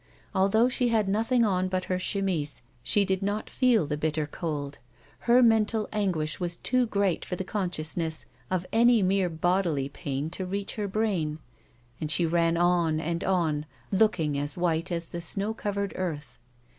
Although she had nothing on but her chemise she did not feel the bitter cold ; her mental anguish was too great for the consciousness of any mere bodily pain to reach her brain, and she ran on and on, looking as white as the snow covered earth.